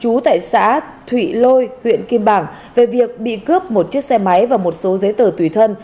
chú tại xã thụy lôi huyện kim bảng về việc bị cướp một chiếc xe máy và một số giấy tờ tùy thân